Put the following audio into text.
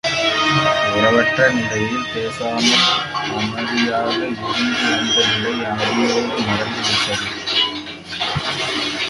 உறவற்ற நிலையில் பேசாமல் அமைதியாக இருந்துவந்த நிலை அடியோடு மாறிவிட்டது.